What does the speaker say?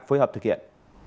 phối hợp thực hiện